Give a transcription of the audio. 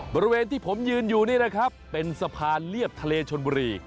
บริเวณที่ผมยืนอยู่นี่นะครับเป็นสะพานเรียบทะเลชนบุรี